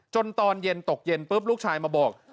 ตอนเย็นตกเย็นปุ๊บลูกชายมาบอก